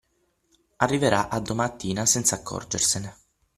Arriverà a domattina senza accorgersene.